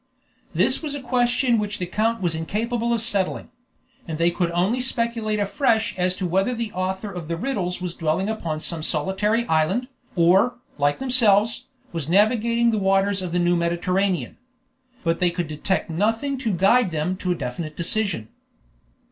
This was a question which the count was incapable of settling; and they could only speculate afresh as to whether the author of the riddles was dwelling upon some solitary island, or, like themselves, was navigating the waters of the new Mediterranean. But they could detect nothing to guide them to a definite decision.